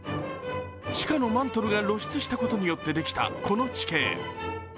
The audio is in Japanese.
地下のマントルが露出したことによってできたこの地形。